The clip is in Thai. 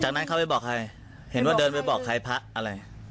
จากนั้นเขาไปบอกใครเห็นว่าเดินไปบอกใครพระอะไร